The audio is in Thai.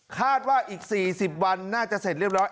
คาดว่าอีก๔๐วันน่าจะเสร็จเรียบร้อย